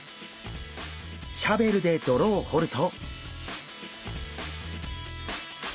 シャベルで泥を掘ると。